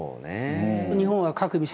日本は。